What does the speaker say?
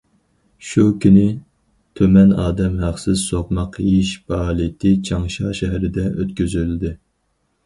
شۇ كۈنى،« تۈمەن ئادەم ھەقسىز سوقماق يېيىش» پائالىيىتى چاڭشا شەھىرىدە ئۆتكۈزۈلدى.